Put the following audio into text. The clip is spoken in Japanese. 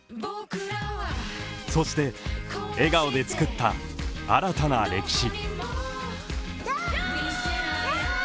そして、笑顔で作った新たな歴史。